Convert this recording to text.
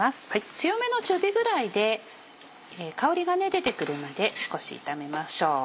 強めの中火ぐらいで香りが出てくるまで少し炒めましょう。